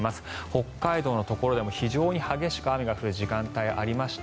北海道のところでも非常に激しく雨が降る時間帯がありました。